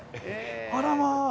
あらまぁ。